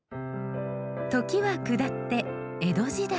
時は下って江戸時代。